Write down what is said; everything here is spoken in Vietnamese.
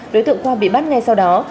đối tượng khoa bị bắt ngay sau đó